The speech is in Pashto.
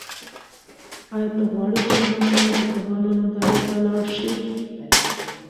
آیا ته غواړې چې له ما سره د کبانو نندارې ته لاړ شې؟